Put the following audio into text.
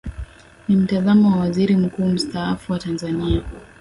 ni mtazamo wa waziri mkuu mustaafu wa tanzania